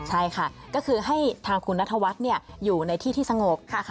ใช่ค่ะก็คือให้ทางคุณนัทวัฒน์อยู่ในที่ที่สงบ